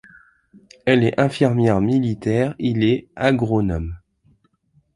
Elle est infirmière militaire, il est agronome.